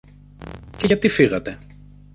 Και γιατί φύγατε;